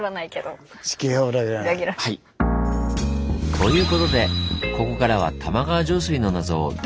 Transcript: ということでここからは玉川上水の謎を地形から解き明かしていきます。